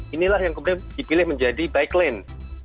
inilah yang kemudian dipilih menjadi bike lane